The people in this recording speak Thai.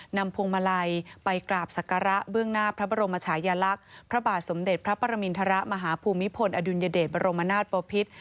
พวงมาลัยไปกราบศักระเบื้องหน้าพระบรมชายลักษณ์พระบาทสมเด็จพระปรมินทรมาฮภูมิพลอดุลยเดชบรมนาศปภิษ